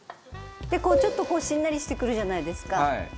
ちょっとこうしんなりしてくるじゃないですか。